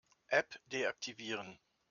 App deaktivieren.